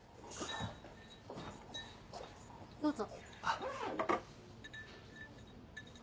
どうぞ。